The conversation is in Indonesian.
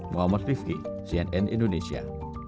muhammad rifqi cnn indonesia